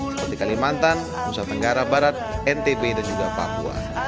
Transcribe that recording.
seperti kalimantan nusa tenggara barat ntb dan juga papua